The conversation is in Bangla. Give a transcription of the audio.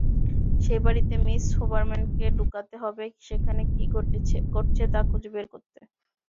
সেই বাড়িতে মিস হুবারম্যানকে ঢোকাতে হবে সেখানে কী ঘটছে তা খুঁজে বের করতে।